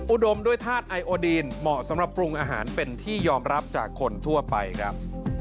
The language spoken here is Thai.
อุดมด้วยธาตุไอโอดีนเหมาะสำหรับปรุงอาหารเป็นที่ยอมรับจากคนทั่วไปครับ